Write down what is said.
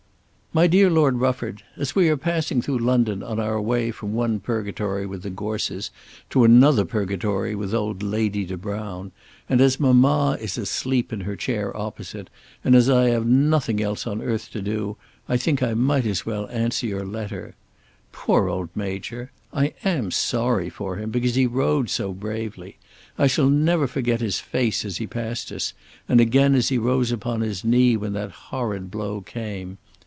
MY DEAR LORD RUFFORD, As we are passing through London on our way from one purgatory with the Gores to another purgatory with old Lady De Browne, and as mamma is asleep in her chair opposite, and as I have nothing else on earth to do, I think I might as well answer your letter. Poor old Major! I am sorry for him, because he rode so bravely. I shall never forget his face as he passed us, and again as he rose upon his knee when that horrid blow came!